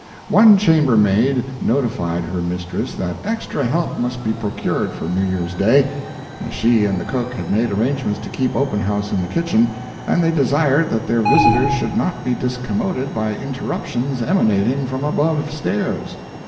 One chambermaid notified her mistress that extra help must be procured for New Year's Day, as she and the cook had made arrangements to keep open house in the kitchen, and they desired that their visitors should not be discommoded by interruptions emanating from above stairs.